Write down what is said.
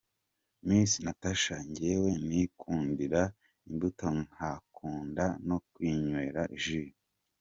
Miss Natacha : Jyewe nikundira imbuto nkakunda no kwinywera jus.